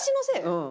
うん。